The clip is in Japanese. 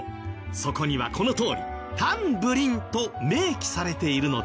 そこにはこのとおり「タンブリン」と明記されているのです。